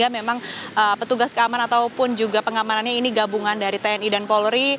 memang petugas keamanan ataupun juga pengamanannya ini gabungan dari tni dan polri